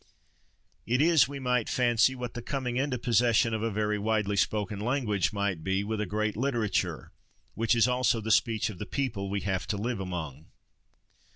It is, we might fancy, what the coming into possession of a very widely spoken language might be, with a great literature, which is also the speech of the people we have to live among.